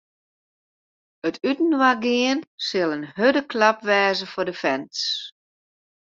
It útinoargean sil in hurde klap wêze foar de fans.